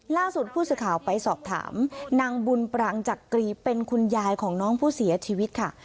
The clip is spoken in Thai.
ล่าสุดผู้สื่อข่าวไปสอบถามนางบุญปรางจักรีเป็นคุณยายของน้องผู้เสียชีวิตค่ะ